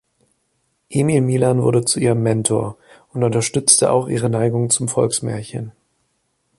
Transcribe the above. Emil Milan wurde zu ihrem Mentor und unterstützte auch ihre Neigung zum Volksmärchen.